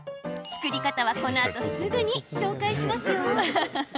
作り方はこのあとすぐに紹介しますよ。